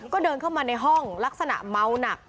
ก็เดินเข้ามาในห้องลักษณะเมาหนัก